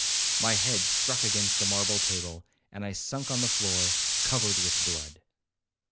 My head struck against a marble table, and I sunk on the floor covered with blood.